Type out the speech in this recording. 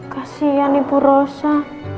kasian ibu rosa